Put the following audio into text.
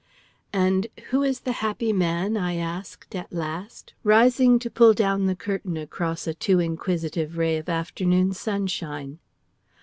"And who is the happy man?" I asked, at last, rising to pull down the curtain across a too inquisitive ray of afternoon sunshine.